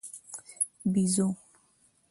🐒بېزو